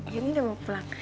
iya udah mau pulang